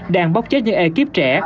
đang bóc chết những ekip trẻ